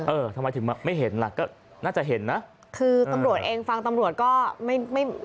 เออทำไมถึงไม่เห็นล่ะก็น่าจะเห็นนะคือตำรวจเองฟังตำรวจก็ไม่ไม่